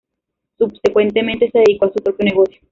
Subsecuentemente se dedicó a su propio negocio.